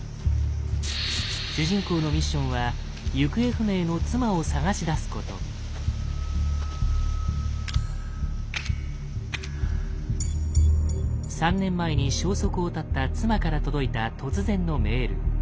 主人公のミッションは３年前に消息を絶った妻から届いた突然のメール。